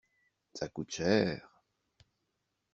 Ça coûte cher.